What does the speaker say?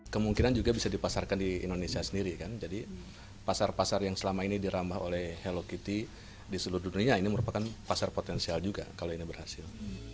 kemungkinan juga bisa dipasarkan di indonesia sendiri kan jadi pasar pasar yang selama ini dirambah oleh hello kitty di seluruh dunia ini merupakan pasar potensial juga kalau ini berhasil